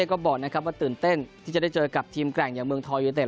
ก็บอกนะครับว่าตื่นเต้นที่จะได้เจอกับทีมแกร่งอย่างเมืองทองยูเต็